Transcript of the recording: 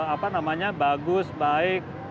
apa namanya bagus baik